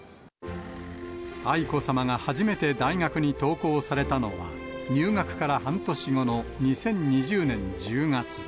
愛子さまが初めて大学に登校されたのは、入学から半年後の２０２０年１０月。